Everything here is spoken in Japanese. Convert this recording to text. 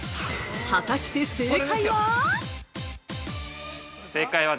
◆果たして正解は？